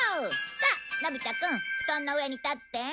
さあのび太くん布団の上に立って。